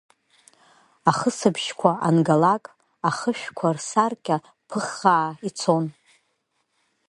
Ахысбжьқәа ангалак, ахышәқәа рсаркьа ԥыххаа ицон.